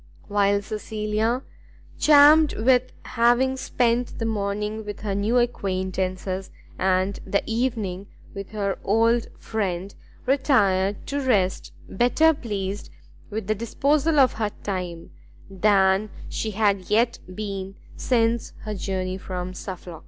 While Cecilia, charmed with having spent the morning with her new acquaintance, and the evening with her old friend, retired to rest better pleased with the disposal of her time than she had yet been since her journey from Suffolk.